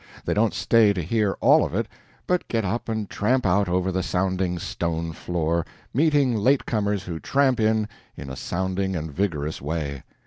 They don't stay to hear all of it, but get up and tramp out over the sounding stone floor, meeting late comers who tramp in in a sounding and vigorous way.